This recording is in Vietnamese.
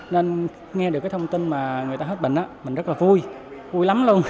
nên nghe được cái thông tin mà người ta hết bệnh mình rất là vui vui lắm luôn